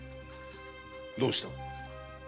どうした？